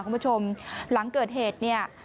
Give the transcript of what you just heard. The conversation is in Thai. คุณผู้ชมหลังเกิดเหตุ